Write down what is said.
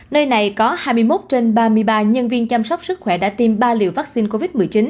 nơi này có hai mươi một trên ba mươi ba nhân viên chăm sóc sức khỏe đã tiêm ba liều vaccine covid một mươi chín